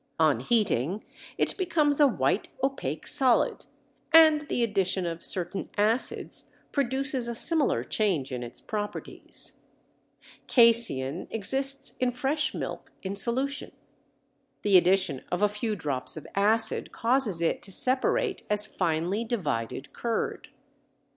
On heating it becomes a white opaque solid, and the addition of certain acids produces a similar change in its properties. Casein exists in fresh milk in solution. The addition of a few drops of acid causes it to separate as finely divided curd.